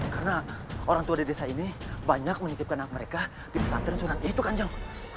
karena orang tua di desa ini banyak menitipkan anak mereka di pesantren surat itu kanjang